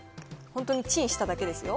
本当にチンしただけですよ。